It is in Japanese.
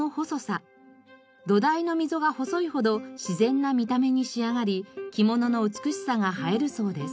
土台の溝が細いほど自然な見た目に仕上がり着物の美しさが映えるそうです。